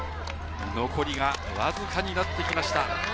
残りがわずかになってきました。